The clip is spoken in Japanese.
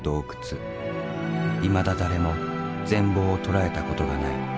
いまだ誰も全貌を捉えたことがない。